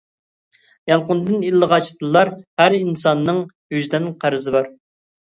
يالقۇنىدىن ئىللىغاچ دىللار، ھەر ئىنساننىڭ ۋىجدان قەرزى بار.